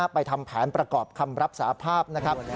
ทำแผนประกอบคำรับสาภาพนะครับ